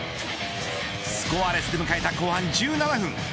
スコアレスで迎えた後半１７分。